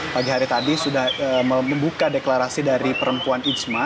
pagi hari tadi sudah membuka deklarasi dari perempuan ijma